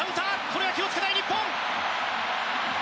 これは気を付けたい日本。